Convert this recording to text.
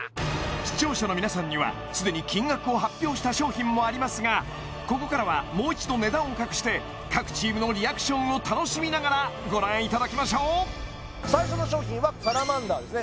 視聴者の皆さんにはすでに金額を発表した商品もありますがここからはもう一度値段を隠して各チームのリアクションを楽しみながらご覧いただきましょう最初の商品はサラマンダーですね